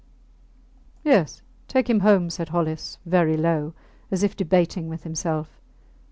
Yes, take him home, said Hollis, very low, as if debating with himself.